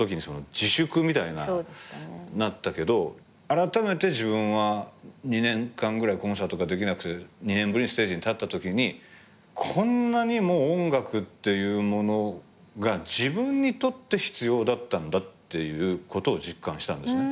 あらためて自分は２年間ぐらいコンサートができなくて２年ぶりにステージに立ったときにこんなにも音楽っていうものが自分にとって必要だったんだっていうことを実感したんですね。